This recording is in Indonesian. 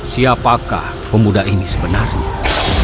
siapakah pemuda ini sebenarnya